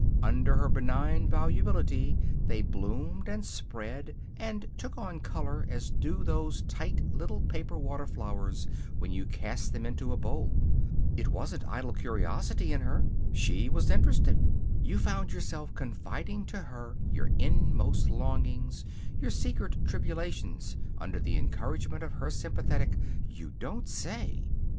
Under her benign volubility they bloomed and spread and took on color as do those tight little paper water flowers when you cast them into a bowl. It wasn't idle curiosity in her. She was interested. You found yourself confiding to her your innermost longings, your secret tribulations, under the encouragement of her sympathetic, "You don't say!"